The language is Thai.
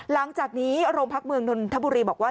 หลังจากนี้โรงพักเมืองนนทบุรีบอกว่า